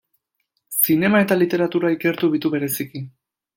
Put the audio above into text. Zinema eta literatura ikertu ditu bereziki.